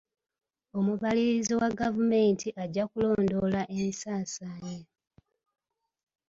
Omubalirizi wa gavumenti ajja kulondoola ensaasaanya.